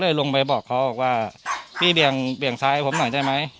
ไปลงไปบอกเขาว่าพี่เบี่ยงเบี่ยงซ้ายให้ผมหน่อยได้ไหม